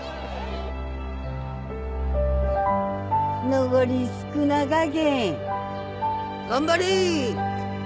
残り少なかけん頑張れ。